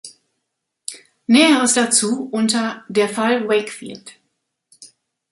Näheres dazu unter Der Fall Wakefield.